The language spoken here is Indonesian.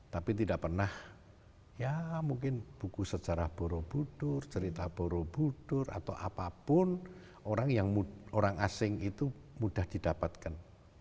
tapi tidak pernah ya mungkin buku sejarah borobudur cerita borobudur atau apapun orang asing itu mudah didapatkan